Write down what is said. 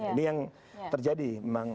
ini yang terjadi memang